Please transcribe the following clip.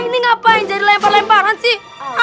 ini ngapain jadi lempar lemparan sih